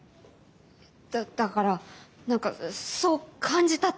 えだだから何かそう感じたっていうか。